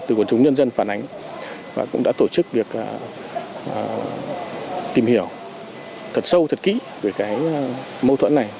từ quần chúng nhân dân phản ánh và cũng đã tổ chức việc tìm hiểu thật sâu thật kỹ về mâu thuẫn này